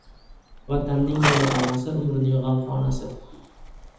Vatanning vayronasi — Umrning g'amxonasi.